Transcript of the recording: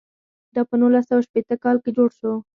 دا په نولس سوه شپېته کال کې جوړ شو.